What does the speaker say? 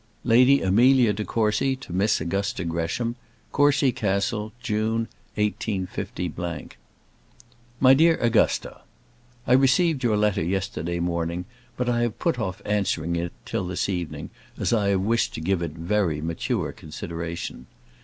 Lady Amelia de Courcy to Miss Augusta Gresham Courcy Castle, June, 185 . MY DEAR AUGUSTA, I received your letter yesterday morning, but I have put off answering it till this evening, as I have wished to give it very mature consideration.